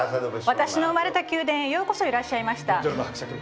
私の生まれた宮殿へよくいらっしゃいました。